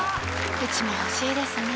うちも欲しいですね